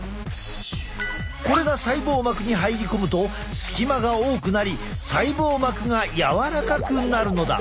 これが細胞膜に入り込むと隙間が多くなり細胞膜が柔らかくなるのだ。